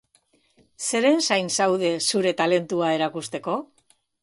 Zeren zain zaude zure talentua erakusteko?